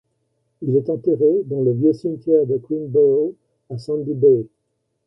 Il est enterré dans le vieux cimetière de Queenborough à Sandy Bay.